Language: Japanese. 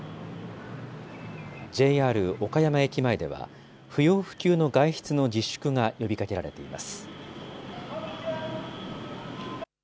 ＪＲ岡山駅前では、不要不急の外出の自粛が呼びかけられています。